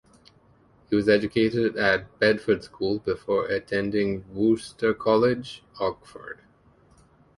He was educated at Bedford School before attending Worcester College, Oxford.